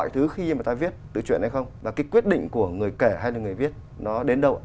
thứ khi mà ta viết từ chuyện hay không và cái quyết định của người kể hay là người viết nó đến đâu